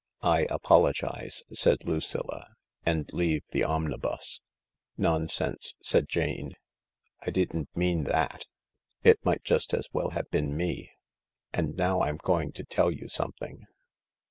" I apologise," said Lucilla, " and leave the omnibus," " Nonsense," said Jane. " I didn't mean that ; it might just as well have been me. And now I'm going to tell you something."